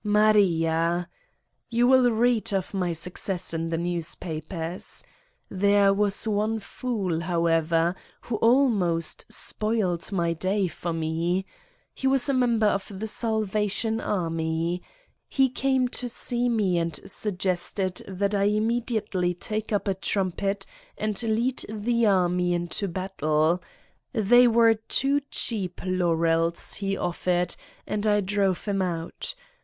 Maria ! You will read of my success in the newspapers. There was one fool, however, who almost spoiled my day for me : he was a member of the Salvation Army. He came to see me and suggested that I immediately take up a trumpet and lead the army into battle they were too cheap laurels he offered 55 Satan's Diary and I drove him out.